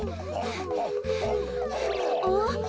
あっ？